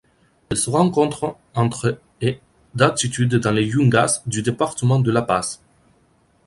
Elle se rencontre entre et d'altitude dans les Yungas du département de La Paz.